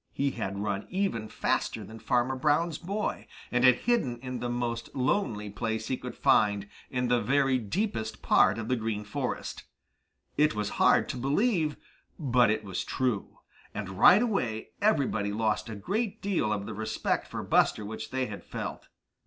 He had run even faster than Farmer Brown's boy, and had hidden in the most lonely place he could find in the very deepest part of the Green Forest. It was hard to believe, but it was true. And right away everybody lost a great deal of the respect for Buster which they had felt.